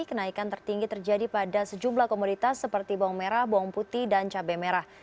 kenaikan tertinggi terjadi pada sejumlah komoditas seperti bawang merah bawang putih dan cabai merah